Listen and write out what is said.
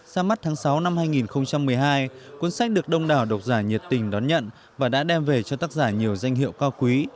ra mắt tháng sáu năm hai nghìn một mươi hai cuốn sách được đông đảo độc giả nhiệt tình đón nhận và đã đem về cho tác giả nhiều danh hiệu cao quý